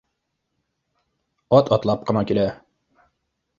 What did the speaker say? Ат атлап ҡына килә